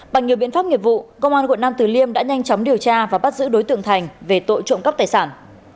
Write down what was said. bằng nhiều biện pháp nghiệp vụ công an quận nam tử liêm đã nhanh chóng điều tra và bắt giữ đối tượng thành về tội trộm cắp tài sản